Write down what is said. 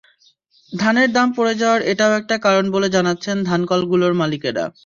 ধানের দাম পড়ে যাওয়ার এটাও একটা কারণ বলে জানাচ্ছেন ধানকলগুলোর মালিকেরা।